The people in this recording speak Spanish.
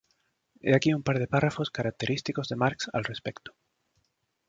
He aquí un par de párrafos característicos de Marx al respecto.